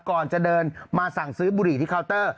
ก่อนจะเดินมาสั่งซื้อบุหรี่ที่เคาน์เตอร์